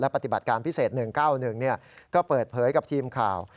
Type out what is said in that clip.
ปฏิบัติการพิเศษ๑๙๑ก็เปิดเผยกับทีมข่าว